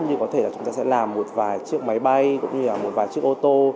như có thể chúng ta sẽ làm một vài chiếc máy bay một vài chiếc ô tô